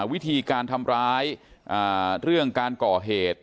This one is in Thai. วิธีการทำร้ายเรื่องการก่อเหตุ